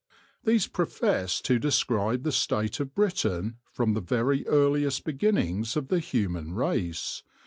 These profess to describe the state of Britain from the very earliest beginnings of the human race.